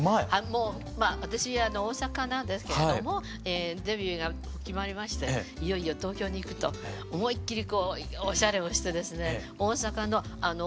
もう私大阪なんですけれどもデビューが決まりましていよいよ東京に行くと思いっきりこうオシャレをしてですね大阪の大きな公園があるんですよ。